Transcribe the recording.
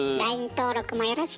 登録もよろしく。